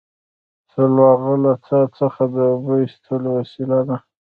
سلواغه له څا څخه د اوبو ایستلو وسیله ده